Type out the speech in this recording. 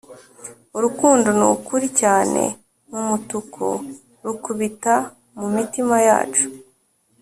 urukundo nukuri cyane mumutuku, rukubita mumitima yacu,